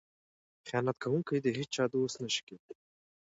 خیانت کوونکی د هیچا دوست نشي کیدی.